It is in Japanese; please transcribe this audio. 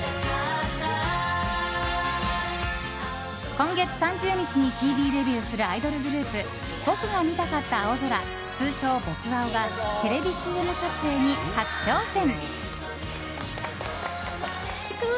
今月３０日にＣＤデビューするアイドルグループ僕が見たかった青空通称、僕青がテレビＣＭ撮影に初挑戦！